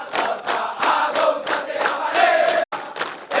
serta agung santi amat hei